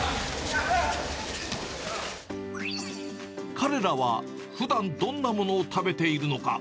彼らはふだん、どんなものを食べているのか。